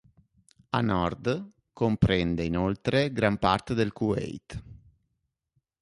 A nord, comprende inoltre gran parte del Kuwait.